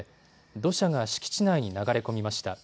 土砂が敷地内に流れ込みました。